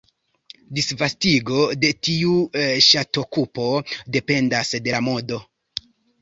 Disvastigo de tiu ŝatokupo dependas de la modo.